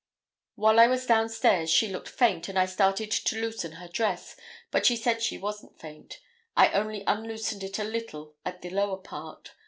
While I was downstairs she looked faint and I started to loosen her dress, but she said she wasn't faint; I only unloosened it a little at the lower part.